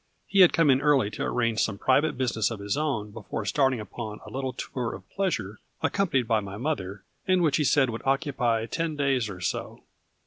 He had come in early to arrange some private business of his own before starting upon a little tour of pleasure, accompanied by my mother, and which he said would occupy ten days or so.